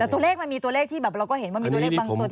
แต่ตัวเลขมันมีตัวเลขที่แบบเราก็เห็นว่ามีตัวเลขบางตัว